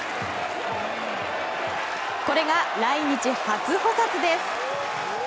これが来日初補殺です。